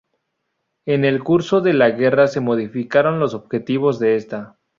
En el curso de la guerra se modificaron los objetivos de esta.